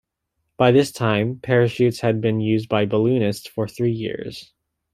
By this time parachutes had been used by balloonists for three years.